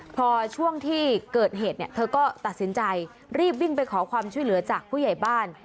พอช่วงที่เกิดเหตุเนี่ยเธอก็ตัดสินใจรีบวิ่งไปขอความช่วยเหลือจากผู้ใหญ่บ้าน